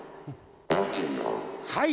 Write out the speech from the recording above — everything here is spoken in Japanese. はい。